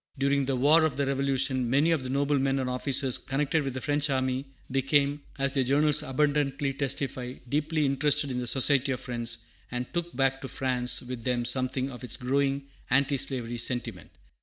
During the war of the Revolution many of the noblemen and officers connected with the French army became, as their journals abundantly testify, deeply interested in the Society of Friends, and took back to France with them something of its growing anti slavery sentiment.